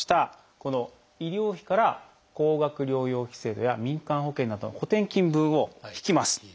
この医療費から高額療養費制度や民間保険などの補てん金分を引きます。